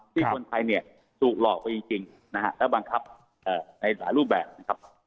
ที่คนไทยเนี่ยถูกหลอกไปจริงนะฮะแล้วบังคับในหลายรูปแบบนะครับ